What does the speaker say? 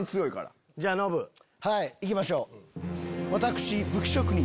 はいいきましょう。